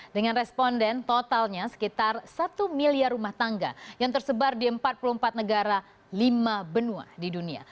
dengan responden totalnya sekitar satu miliar rumah tangga yang tersebar di empat puluh empat negara lima benua di dunia